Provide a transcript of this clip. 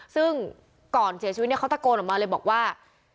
ซึ่งก่อนเสียชีวิตเนี่ยเขาตะโกนออกมาเลยบอกว่า